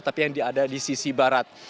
tapi yang ada di sisi barat